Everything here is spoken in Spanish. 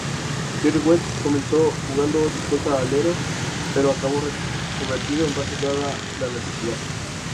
Jerry West comenzó jugando de escolta-alero, pero acabó reconvertido en base dada la necesidad.